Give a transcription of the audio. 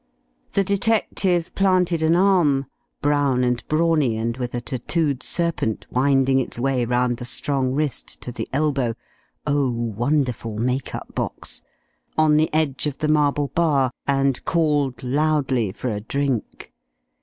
The detective planted an arm brown and brawny and with a tattooed serpent winding its way round the strong wrist to the elbow (oh, wonderful make up box!) on the edge of the marble bar, and called loudly for a drink.